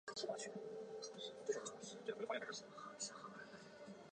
这里生产的布被送往阿灵顿工厂。